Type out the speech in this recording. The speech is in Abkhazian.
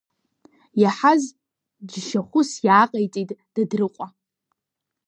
Иаҳаз џьшьахәыс иааҟаиҵеит Дадрыҟәа.